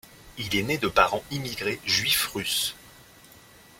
Il est né de parents immigrés juifs russes.